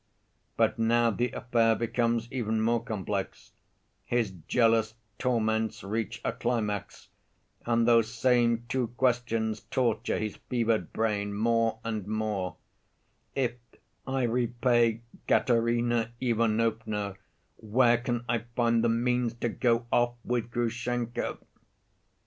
"But now the affair becomes even more complex; his jealous torments reach a climax, and those same two questions torture his fevered brain more and more: 'If I repay Katerina Ivanovna, where can I find the means to go off with Grushenka?